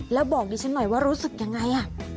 แล้วบอกดิฉันหน่อยว่ารู้สึกยังไง